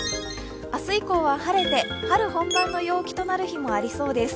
明日以降は晴れて、春本番の陽気となる日もありそうです。